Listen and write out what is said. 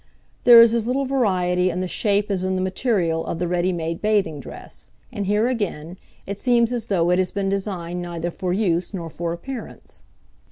There is as little variety in the shape as in the material of the ready made bathing dress, and here, again, it seems as though it had been designed neither for use nor for appearance.